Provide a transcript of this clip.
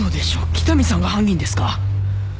北見さんが犯人ですか？